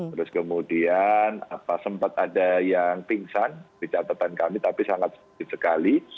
terus kemudian sempat ada yang pingsan di catatan kami tapi sangat sedikit sekali